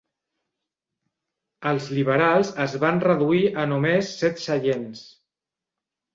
Els liberals es van reduir a només set seients.